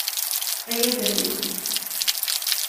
Ay abehlul!